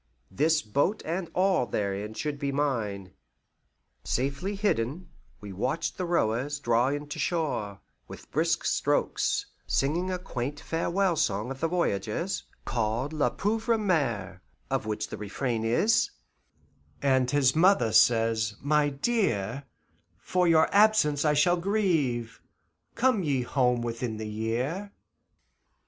This boat and all therein should be mine. Safely hidden, we watched the rowers draw in to shore, with brisk strokes, singing a quaint farewell song of the voyageurs, called La Pauvre Mere, of which the refrain is: "And his mother says, 'My dear, For your absence I shall grieve; Come you home within the year.